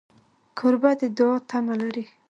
کوربه د دوعا تمه لري.